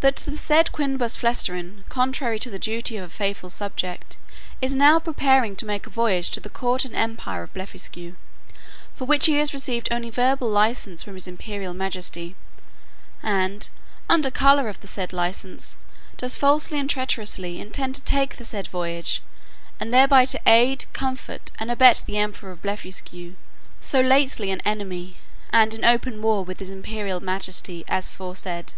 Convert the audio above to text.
"'That the said Quinbus Flestrin, contrary to the duty of a faithful subject, is now preparing to make a voyage to the court and empire of Blefuscu, for which he has received only verbal license from his imperial majesty; and, under colour of the said license, does falsely and traitorously intend to take the said voyage, and thereby to aid, comfort, and abet the emperor of Blefuscu, so lately an enemy, and in open war with his imperial majesty aforesaid.